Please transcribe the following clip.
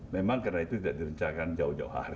memang karena itu tidak direncanakan jauh jauh hari